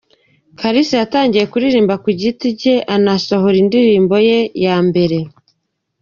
Kalisa yatangiye kuririmba ku giti cye, anasohora indirimbo ye ya mbere